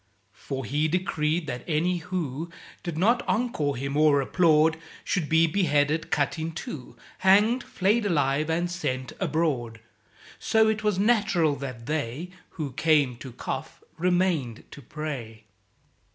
For he decreed that any who Did not encore him or applaud, Should be beheaded, cut in two, Hanged, flayed alive, and sent abroad. (So it was natural that they Who "came to cough remained to pray.")